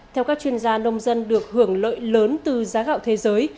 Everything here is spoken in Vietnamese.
theo các chuyên gia nông dân được hưởng lợi lớn từ giá gạo thế giới